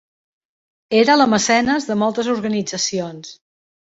Era la mecenes de moltes organitzacions.